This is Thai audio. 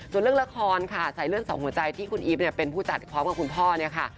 ส่วนเรื่องละครค่ะสายเลือดสองหัวใจที่คุณอีฟเนี่ยเป็นผู้จัดพร้อมกับคุณพ่อเนี่ยค่ะ